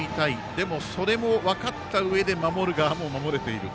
でも、それも分かったうえで守る側も守れていると。